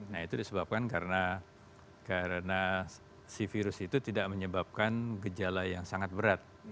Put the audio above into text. nah itu disebabkan karena si virus itu tidak menyebabkan gejala yang sangat berat